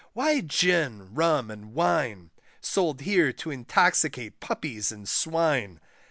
Why Gin, Rum, and Wine, Sold here to intoxicate puppies and swine.